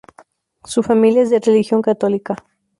Su familia es de religión católica.